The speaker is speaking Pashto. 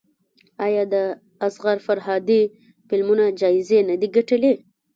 آیا د اصغر فرهادي فلمونه جایزې نه دي ګټلي؟